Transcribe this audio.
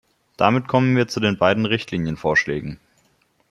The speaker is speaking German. Damit kommen wir zu den beiden Richtlinienvorschlägen.